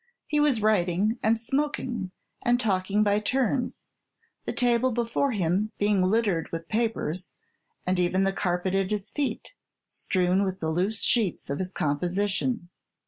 He was writing, and smoking, and talking by turns, the table before him being littered with papers, and even the carpet at his feet strewn with the loose sheets of his composition.